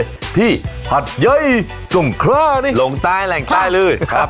ฮือ